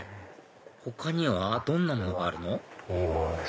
他にはどんなものがあるの？